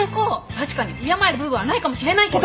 確かに敬える部分はないかもしれないけど。